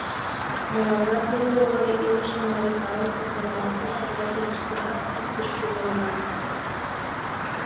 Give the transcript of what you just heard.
Мыланна тӱрлӧ вере илыше марий калыкым гына огыл, писательыштымат иктыш чумырыман.